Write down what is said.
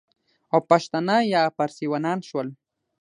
او پښتانه یا فارسیوانان شول،